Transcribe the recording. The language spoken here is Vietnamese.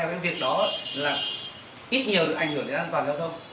cái việc đó là ít nhiều ảnh hưởng đến an toàn giao thông